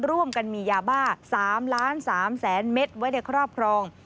ร่วมกันมียาบ้า๓ล้าน๓แสนเม็ดไว้ในครอบครอง